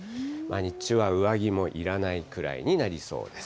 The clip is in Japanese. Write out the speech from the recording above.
日中は上着もいらないくらいになりそうです。